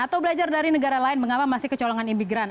atau belajar dari negara lain mengapa masih kecolongan imigran